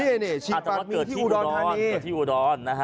อาจจะว่าเกิดที่อุดรณ์คือเกิดที่อุดรณ์ฮะ